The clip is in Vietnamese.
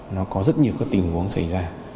nó có rất nhiều các tình huống xảy ra